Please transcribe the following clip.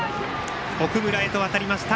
奥村へと渡りました。